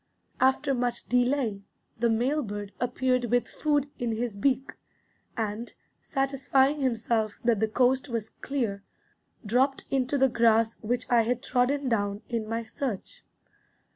After much delay, the male bird appeared with food in his beak, and, satisfying himself that the coast was clear, dropped into the grass which I had trodden down in my search.